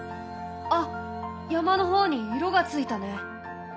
あ山の方に色がついたね！